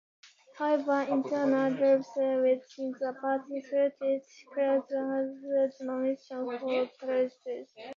However, internal divisions within the party threatened Charles Haughey's nomination for Taoiseach.